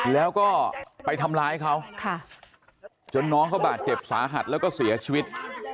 แล้วก็ไปทำร้ายเขาจนน้องเขาบาดเจ็บสาหัสแล้วก็เสียชีวิต